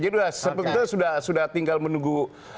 jadi sudah tinggal menunggu